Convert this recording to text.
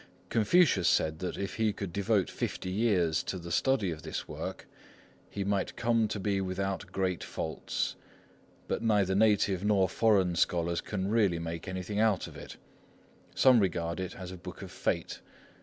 Confucius said that if he could devote fifty years to the study of this work, he might come to be without great faults; but neither native nor foreign scholars can really make anything out of it. Some regard it as a Book of Fate.